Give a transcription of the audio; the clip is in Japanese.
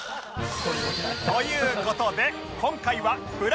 という事で今回はブラ！！